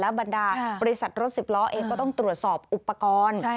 บรรดาบริษัทรถสิบล้อเองก็ต้องตรวจสอบอุปกรณ์